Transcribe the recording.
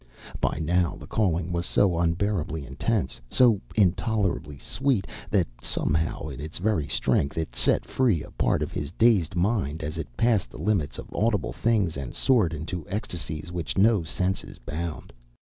By now the calling was so unbearably intense, so intolerably sweet that somehow in its very strength it set free a part of his dazed mind as it passed the limits of audible things and soared into ecstasies which no senses bound.